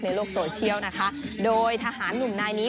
ในโลกโซเชียลนะคะโดยทหารหนุ่มนายนี้